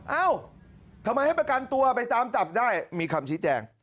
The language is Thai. เอ้าทำไมให้ประกันตัวไปตามจับได้มีคำชี้แจง